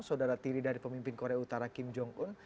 saudara tiri dari pemimpin korea utara kim jong un